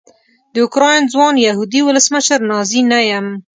د اوکراین ځوان یهودي ولسمشر نازي نه یم.